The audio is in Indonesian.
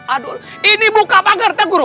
aduh ini buka pagar tegur